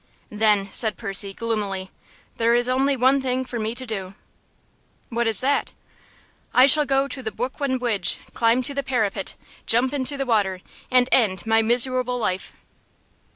"Then," said Percy, gloomily, "there is only one thing for me to do." "What is that?" "I shall go to the Bwooklyn Bwidge, climb to the parapet, jump into the water, and end my misewable life."